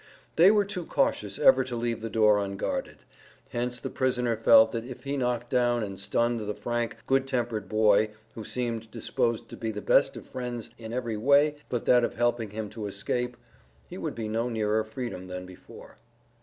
They were too cautious ever to leave the door unguarded; hence the prisoner felt that if he knocked down and stunned the frank, good tempered boy who seemed disposed to be the best of friends in every way but that of helping him to escape, he would be no nearer freedom than before.